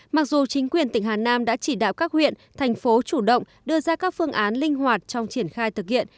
mặc dù chính quyền tỉnh hà nam đã chỉ đạo các huyện thành phố chủ động đưa ra các phương án linh hoạt trong triển khai thực hiện